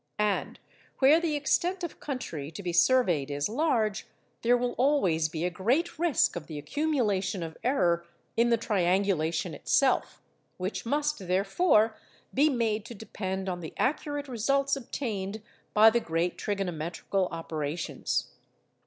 And where the extent of country to be surveyed is large, there will always be a great risk of the accumulation of error in the triangulation itself; which must, therefore, be made to depend on the accurate results obtained by the great trigonometrical operations.